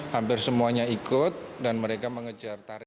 hampir semuanya ikut dan mereka mengejar target